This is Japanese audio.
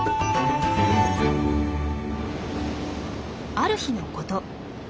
ある日のこと。